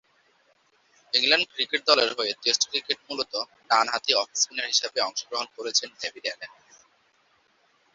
England cricket দলের হয়ে test ক্রিকেটে মূলতঃ ডানহাতি অফ-স্পিনার হিসেবে অংশগ্রহণ করেছেন ডেভিড অ্যালেন।